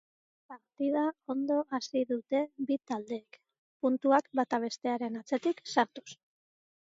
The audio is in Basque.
Partida ondo hasi dute bi taldeek, puntuak bata bestearen atzetik sartuz.